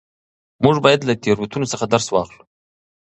موږ باید له تېروتنو درس واخلو.